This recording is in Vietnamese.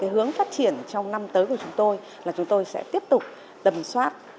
hướng phát triển trong năm tới của chúng tôi là chúng tôi sẽ tiếp tục tầm soát